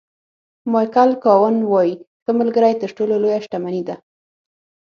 مایکل کاون وایي ښه ملګری تر ټولو لویه شتمني ده.